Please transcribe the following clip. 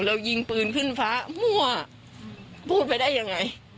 เรายิงปืนขึ้นฟ้ามั่วพูดไปได้ยังไง